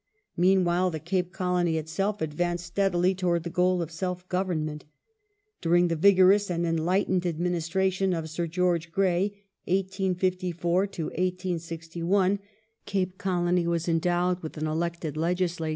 Meanwhile, the Cape Colony itself ad ^^^"^^^ vanced steadily towards the goal of self government. During the vigorous and enlightened administration of Sir George Grey (1854 1861), Cape Colony was endowed with an elected Legisla